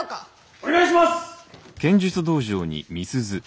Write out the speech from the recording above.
お願いします！